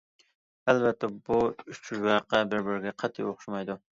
ئەلۋەتتە، بۇ ئۈچ ۋەقە بىر- بىرىگە قەتئىي ئوخشىمايدۇ.